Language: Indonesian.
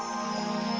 sampai jumpa di tv